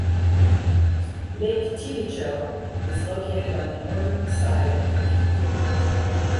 Lake Tilicho is located on the northern side of the peak.